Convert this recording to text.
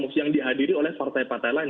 yang dihadiri oleh partai partai lain